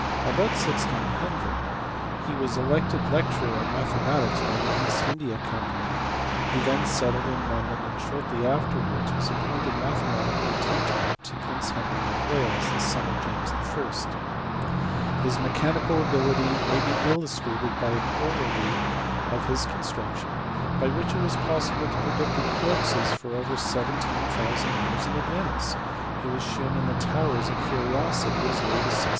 About 1600 he was elected lecturer on mathematics by the East India Company ; he then settled in London, and shortly afterwards was ap pointed mathematical tutor to prince Henry of Wales, the son of James I. His mechanical ability may be illustrated by an orrery of his construction by which it was possible to predict eclipses for over seventeen thousand years in advance : it was shewn in the Tower as a curiosity as late as 1675.